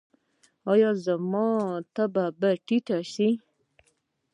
ایا زما تبه به ټیټه شي؟